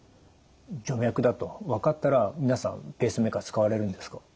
徐脈だと分かったら皆さんペースメーカー使われるんですか？